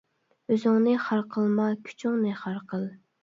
ئۆزۈڭنى خار قىلما، كۈچۈڭنى خار قىل.